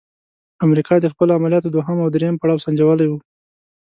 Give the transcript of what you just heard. امریکا د خپلو عملیاتو دوهم او دریم پړاو سنجولی وو.